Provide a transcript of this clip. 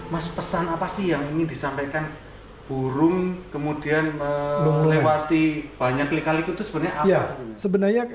mas pesan apa sih yang ingin disampaikan burung kemudian melewati banyak lika liku itu sebenarnya apa